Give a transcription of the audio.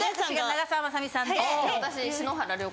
長澤まさみさんで。